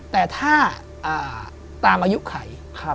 แต่ถ้าตามอายุข่าย